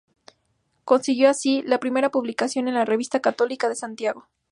Consiguió así, la primera publicación en La Revista Católica de Santiago.